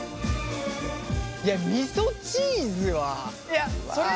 いやみそチーズは。